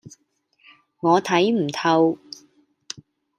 我睇唔透